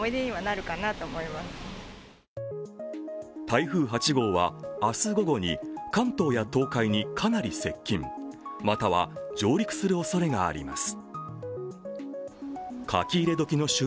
台風８号は明日午後に関東や東海にかなり接近、または上陸するおそれがあります。